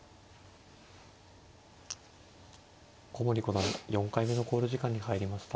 古森五段４回目の考慮時間に入りました。